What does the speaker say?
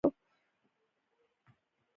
لوڼي یې واده کړې وې.